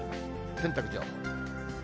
洗濯情報。